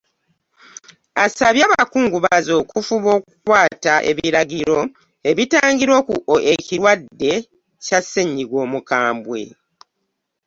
Asabye abakungubazi okufuba okukwata ebiragiro ebitangira ekirwadde Kya Omukambwe